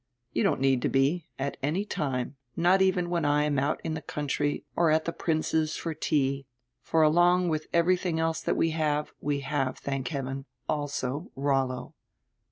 "You don't need to be, at any time, not even when I am out in the country or at the Prince's for tea, for along with everything else that we have, we have, thank heaven, also Rollo."